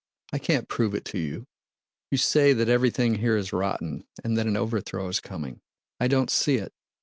"I can't prove it to you. You say that everything here is rotten and that an overthrow is coming: I don't see it.